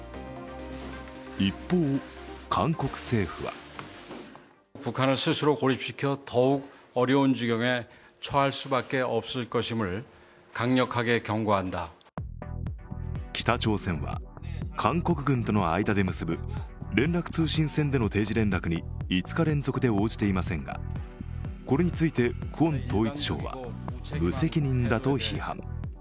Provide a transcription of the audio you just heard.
一方、韓国政府は北朝鮮は、韓国軍との間で結ぶ連絡通信線での定時連絡に５日連続で応じていませんが、これについてクォン統一相は無責任だと批判。